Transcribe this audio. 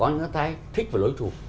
nó thấy thích về lối trù